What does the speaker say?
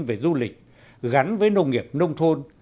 về du lịch gắn với nông nghiệp nông thôn